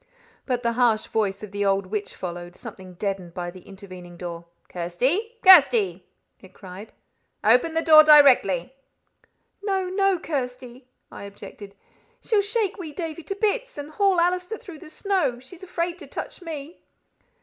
But the harsh voice of the old witch followed, something deadened by the intervening door. "Kirsty! Kirsty!" it cried; "open the door directly." "No, no, Kirsty!" I objected. "She'll shake wee Davie to bits, and haul Allister through the snow. She's afraid to touch me."